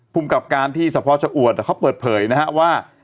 ภูมิกับการที่สะพอชะอวดเขาเปิดเผยนะฮะว่า